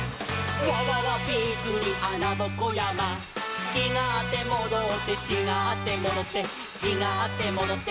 「わわわびっくりあなぼこやま」「ちがってもどって」「ちがってもどってちがってもどって」